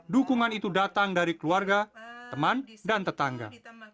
dukungan itu datang dari keluarga teman dan tetangga